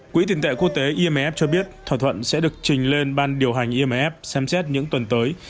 quỹ tiền tệ quốc tế imf cho biết thỏa thuận sẽ được trình lên ban điều hành imf xem xét những tuần tới